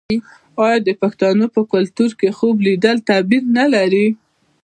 آیا د پښتنو په کلتور کې خوب لیدل تعبیر نلري؟